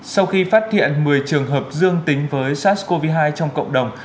sau khi phát hiện một mươi trường hợp dương tính với sars cov hai trong cộng đồng